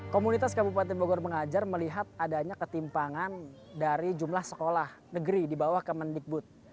komunitas kabupaten bogor mengajar melihat adanya ketimpangan dari jumlah sekolah negeri di bawah kemendikbud